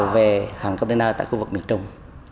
vào về hàng container tại khu vực miền trung